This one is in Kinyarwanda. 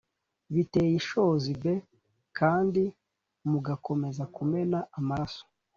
biteye ishozi b kandi mugakomeza kumena amaraso